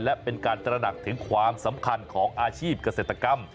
และเป็นการตระหนักถึงความสำคัญของอาชีพเกษตรกรรม